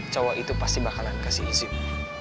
cowok itu pasti bakalan kasih izin